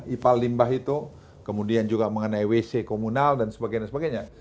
ipal limbah itu kemudian juga mengenai wc komunal dan sebagainya